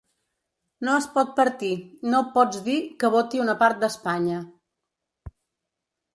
No es pot partir, no pots dir que voti una part d’Espanya.